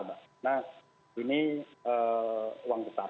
nah ini uang besar